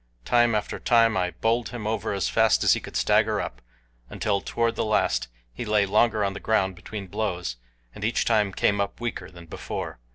Time after time I bowled him over as fast as he could stagger up, until toward the last he lay longer on the ground between blows, and each time came up weaker than before.